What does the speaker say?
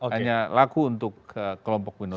hanya laku untuk kelompok menurut saya